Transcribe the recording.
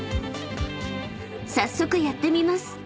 ［早速やってみます］